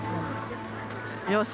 よし！